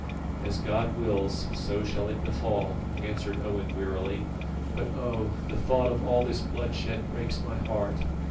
"As God wills, so shall it befall," answered Owen wearily; "but oh! the thought of all this bloodshed breaks my heart.